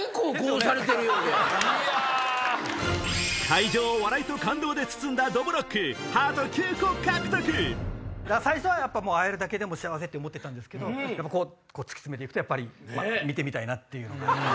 会場を笑いと感動で包んだ最初は会えるだけでも幸せって思ってたんですけど突き詰めて行くとやっぱり見てみたいな！っていうのが。